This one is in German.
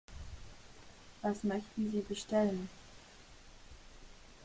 Was möchten Sie bestellen?